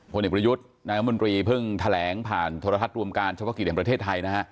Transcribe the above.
ผู้เน็ตประยุทธ์นางการมันบริเวณพึ่งแถลงผ่านทรทัศน์รวมการเฉพาะกิจแห่งประเทศไทยนะฮะ